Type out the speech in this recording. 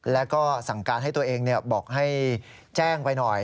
แล้วก็สั่งการให้ตัวเองบอกให้แจ้งไปหน่อย